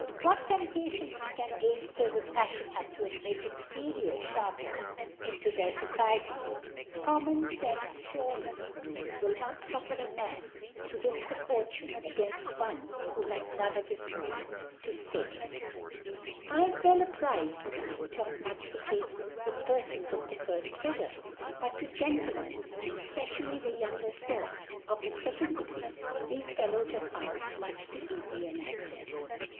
What Temptatitions can Gamefters of Fafliion have, to admit inferior Sharpers into '(37 ) into their Society? Common Scnfe, furely, will not fuffer a Mai) to rifqiie a Fortune againft one who hath none of bis own to ftake flgainft it. I am weH apprized that this is not much the Cafe with Perfons of the firft Figure 5 bqt to Gentlemen (and efpecially the youn < get Sort) of the kcond Degree, thcfe Fel lows have found much too eafy' an Accefs.